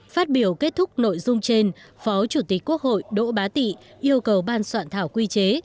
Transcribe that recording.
phát biểu kết thúc nội dung trên phó chủ tịch quốc hội đỗ bá tị yêu cầu ban soạn thảo quy chế